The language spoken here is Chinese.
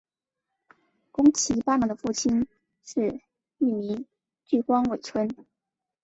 宫崎八郎的父亲是玉名郡荒尾村。